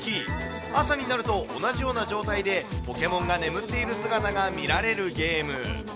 朝になると同じような状態でポケモンが眠っている姿が見られるゲーム。